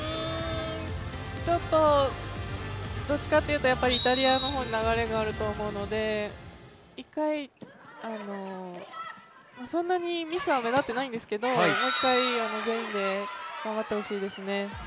ちょっとどっちかというとイタリアの方に流れがあると思うので一回、そんなにミスは目立っていないんですけどももう一回、全員で頑張ってほしいですね。